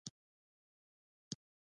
حیوانات ځینې وختونه روزل کېږي.